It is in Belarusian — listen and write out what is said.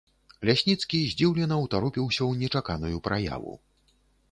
Лясніцкі здзіўлена ўтаропіўся ў нечаканую праяву.